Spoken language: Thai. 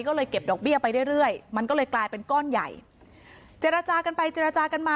ก็เลยเก็บดอกเบี้ยไปเรื่อยเรื่อยมันก็เลยกลายเป็นก้อนใหญ่เจรจากันไปเจรจากันมา